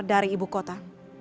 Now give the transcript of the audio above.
seratus km dari ibu kota